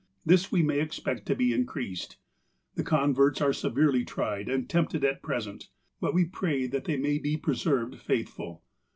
This we may expect to be increased. The converts are severely tried and tempted at present, but we pray they may be preserved faith ful.